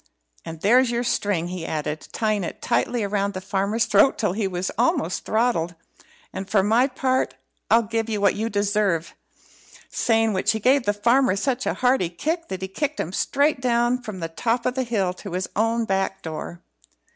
And there's your string," he added, tying it tightly round the farmer's throat till he was almost throttled. "And, for my part, I'll give you what you deserve;" saying which he gave the farmer such a hearty kick that he kicked him straight down from the top of the hill to his own back door.